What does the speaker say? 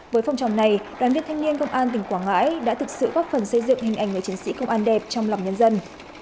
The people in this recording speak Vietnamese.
với phong trào này đoàn viên thanh niên công an tỉnh quảng ngãi đã thực sự góp phần xây dựng hình ảnh người chiến sĩ công an đẹp trong lòng nhân dân